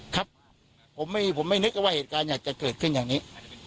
ครับผมไม่นึกว่าเหตุการณ์อยากจะเกิดขึ้นอย่างนี้